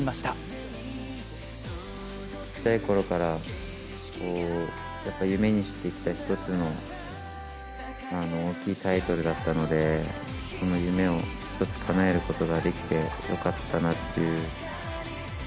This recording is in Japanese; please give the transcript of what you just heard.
小さいころから、やっぱ、夢にしてきた一つの大きいタイトルだったので、その夢を一つかなえることができて、よかったなっていう。